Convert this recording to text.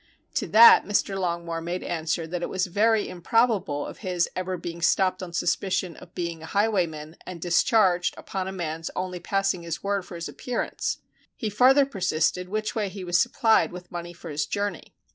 To that Mr. Longmore made answer that it was very improbable of his ever being stopped on suspicion of being an highwayman, and discharged upon a man's only passing his word for his appearance; he farther persisted which way he was supplied with money for his journey.